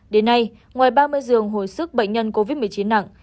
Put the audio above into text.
đến nay ngoài ba mươi giường hồi sức bệnh nhân covid một mươi chín nặng